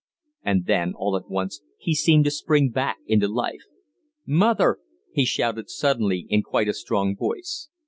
And then, all at once, he seemed to spring back into life. "Mother!" he shouted suddenly in quite a strong voice.